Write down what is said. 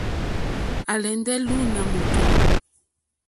À álèndé lùùná mòtò.